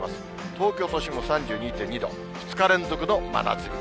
東京都心も３２．２度、２日連続の真夏日。